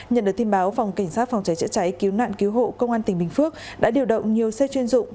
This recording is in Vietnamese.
nhận được tin báo phòng cảnh sát phòng cháy chữa cháy cứu nạn cứu hộ công an tỉnh bình phước đã điều động nhiều xe chuyên dụng